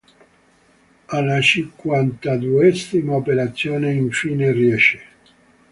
Alla cinquantaduesima operazione infine riesce.